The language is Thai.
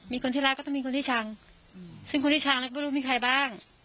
มีคนที่รักก็ต้องมีคนที่ชังซึ่งคนที่ชังแล้วก็ไม่รู้มีใครบ้าง